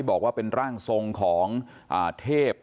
บอกว่าเป็นร่างทรงของเทพ